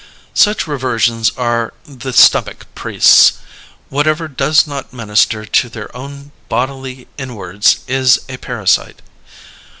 Such reversions are the stomach priests: whatever does not minister to their own bodily inwards is a "parasite."